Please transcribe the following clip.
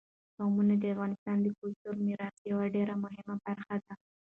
قومونه د افغانستان د کلتوري میراث یوه ډېره مهمه برخه ده.